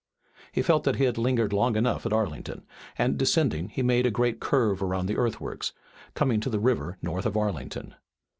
He felt that he had lingered long enough at Arlington, and, descending, he made a great curve around the earthworks, coming to the river north of Arlington.